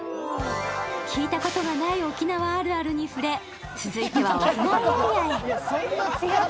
聞いたことがない沖縄あるあるに触れ、続いては、屋外エリアへ。